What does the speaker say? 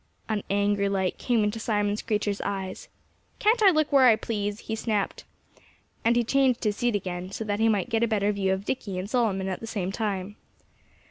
An angry light came into Simon Screecher's eyes. "Can't I look where I please?" he snapped. And he changed his seat again, so that he might get a better view of Dickie and Solomon at the same time.